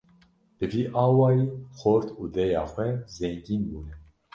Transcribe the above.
Bi vî awayî xort û dêya xwe zengîn bûne.